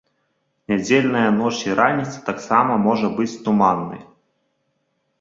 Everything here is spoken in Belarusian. Нядзельная ноч і раніца таксама можа быць туманнай.